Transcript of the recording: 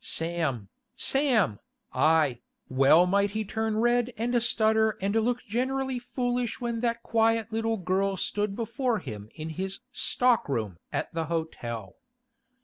Sam! Sam! Ay, well might he turn red and stutter and look generally foolish when that quiet little girl stood before him in his 'stock room' at the hotel.